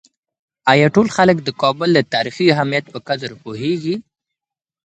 آیا ټول خلک د کابل د تاریخي اهمیت په قدر پوهېږي؟